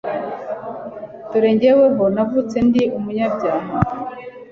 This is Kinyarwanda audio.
dore jyeweho navutse ndi umunyabyaha